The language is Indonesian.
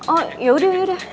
oh yaudah yaudah